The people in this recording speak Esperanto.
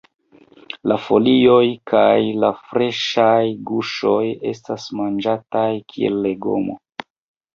La folioj kaj la freŝaj guŝoj estas manĝataj kiel legomo.